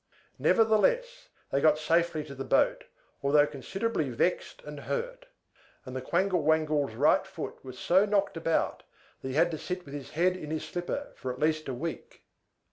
Nevertheless, they got safely to the boat, although considerably vexed and hurt; and the Quangle Wangle's right foot was so knocked about, that he had to sit with his head in his slipper for at least a week.